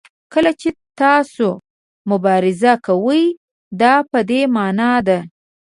کله چې تاسو مبارزه کوئ دا په دې معنا ده.